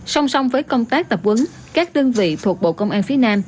song song với công tác tập huấn các đơn vị thuộc bộ công an phía nam